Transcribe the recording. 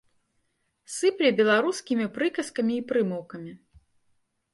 Сыпле беларускімі прыказкамі й прымаўкамі.